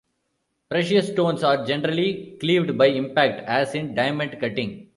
Precious stones are generally cleaved by impact, as in diamond cutting.